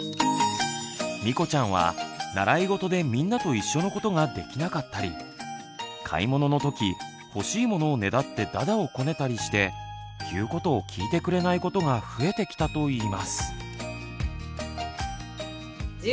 みこちゃんは習い事でみんなと一緒のことができなかったり買い物の時欲しいものをねだってだだをこねたりして言うことを聞いてくれないことが増えてきたといいます。